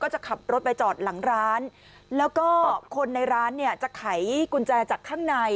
จะขับรถไปจอดหลังร้านแล้วก็คนในร้านเนี่ยจะไขกุญแจจากข้างใน